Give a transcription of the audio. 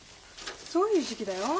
そういう時期だよ。